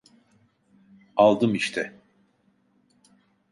Aldım işte…